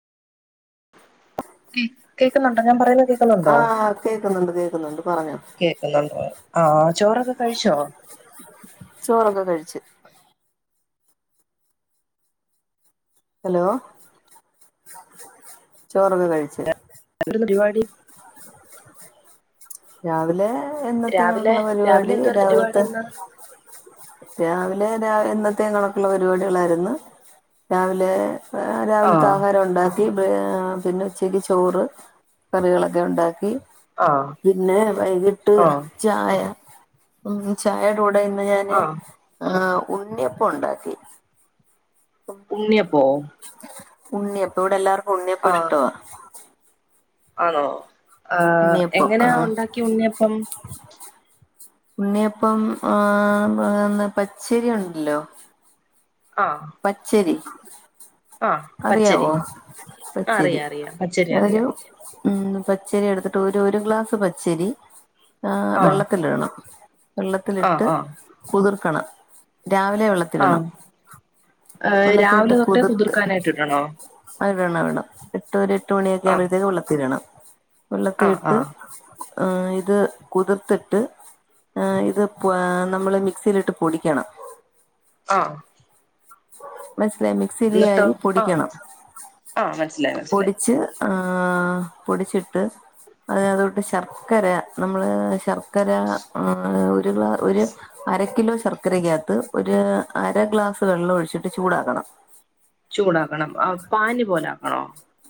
കേൾക്കുന്നുണ്ടോ? ഞാൻ പറയുന്ന കേക്കുന്നുണ്ടോ? ആഹ് കേൾക്കുന്നുണ്ട് കേൾക്കുന്നുണ്ട്. പറഞ്ഞോ. കേക്കുന്നുണ്ട്. ആഹ് ചോറൊക്കെ കഴിച്ചോ? ചോറൊക്കെ കഴിച്ച്. ഹലോ. ചോറകേ കഴിച്ച്. എന്താ പരിപാടി. രാവിലെ രാവിലെ എന്നത്തെള്ള രാവിലെ പരിപാടി. എന്തുവായിരുന്നു പരിപാടി രാവിലത്തെ ഇന്ന് രാവിലെ എന്നത്തേ കണക്കുള്ള പരിപാടികളായിരുന്നു. രാവിലെ ആഹ് ആ രാവിൽത്തെ ആഹാരം ഉണ്ടാ കി. പിന്നെ ഉച്ചക്ക് ചോറ് കറികളൊക്കെ ഉണ്ടാക്കി. ആ പിന്നെ വൈകിട്ട് ആ ചായ. ഉം ചായയൂടെ കൂടെ ഇന്ന് ഞാന് ആ ആഹ് ഉണ്ണിയപ്പ ണ്ടാക്കി. ഉണ്യപ്പൊ? ഉണ്ണിയപ്പ. ഇവിടെ എല്ലാവർക്കും ആ ഉണ്ണിയപ്പ ഇഷ്ടവാ. ആണോ. ആഹ് ഉണ്ണിയപ്പം എങ്ങന ആഹ് ഉണ്ടാക്കി ഉണ്ണിയപ്പം. ഉണ്ണിയപ്പം ആഹ് ന്ന് പച്ചരി ഉണ്ടല്ലോ. ആഹ് പച്ചേരി. പച്ചരി അറിയാവോ ആ പച്ചരി. അറിയാം അറിയാം പച്ചരി ഒരു അറിയാം ഉം പച്ചരി എടുത്തിട്ട് ഒരു ഒരു ഗ്ലാസ് പച്ചരി ആഹ് ആ വെള്ളത്തിലിടണം. ആ വെള്ളത്തിലിട്ട് ആ കുതിർക്കണം. രാവിലെ ആ വെള്ളത്തിടണം. ഏ, വെള്ളത്തിട്ട് രാവിലെ തൊട്ടേ കുതിർത്ത് കുതിർക്കാനായിട്ട് ഇടണോ അഹ്ടണം. എട്ട് ഒരു എട്ട് മണിയൊക്കെ ആ ആവുമ്പോഴത്തേക്ക് വെള്ളത്തിടണം. വെള്ളത്തി ആ ആ ഇട്ട് ഇത് കുതിർത്തിട്ട് ആഹ് ഇത് ആഹ് നമ്മള് മിക്സിയിലിട്ട് പൊടിക്കണം. ആഹ് മൻസിലായി. മിക്സിൽ എന്നിട്ടോ അരി ആ പൊടിക്കണം. ആ മനസ്സിലായി മനസ്സിലായി പൊടിച്ച് ആഹ് പൊടിച്ചിട്ട് അതിനകതൊട്ട് ശർക്കര നമ്മള് ശർക്കര ഒരു ഗ്ലാ ഒരു അര കിലോ ശർക്കരയ്ക്കകത്ത് ഒരു അര ഗ്ലാസ് വെള്ളം ഒഴിച്ചിട്ട് ചൂടാക്കണം. ചൂടാക്കണം ആഹ് പാനി പോലെ ആക്കണോ?